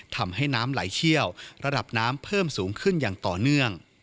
ทำให้น้ำไหลเชี่ยวระดับน้ำเพิ่มสูงขึ้นอย่างต่อเนื่อง